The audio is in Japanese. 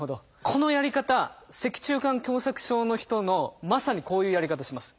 このやり方脊柱管狭窄症の人のまさにこういうやり方します。